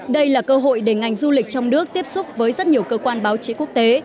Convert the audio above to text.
đây là cơ hội để ngành du lịch trong nước tiếp xúc với rất nhiều cơ quan báo chí quốc tế